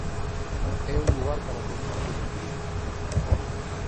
É un lugar característico de turismo.